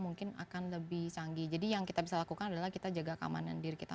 mungkin akan lebih canggih jadi yang kita bisa lakukan adalah kita jaga keamanan diri kita